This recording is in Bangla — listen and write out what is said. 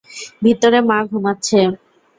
ভিতরে মা ঘুমাচ্ছে।